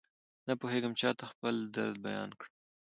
نپوهېږم چاته خپل درد بيان کړم.